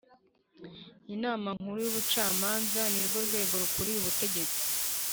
Inama Nkuru y Ubucamanza ni rwo rwego rukuriye Ubutegetsi